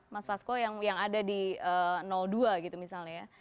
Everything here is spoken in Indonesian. mas fasko yang ada di dua gitu misalnya ya